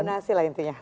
koordinasi lah intinya